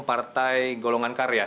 partai golongan karya